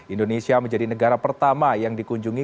indonesia menjadi negara pertama yang dikunjungi